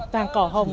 toàn cỏ hồng